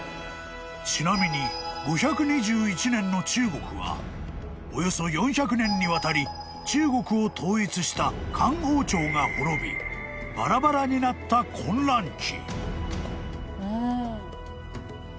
［ちなみに５２１年の中国はおよそ４００年にわたり中国を統一した漢王朝が滅びバラバラになった混乱期］